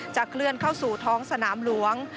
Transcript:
เคลื่อนเข้าสู่ท้องสนามหลวง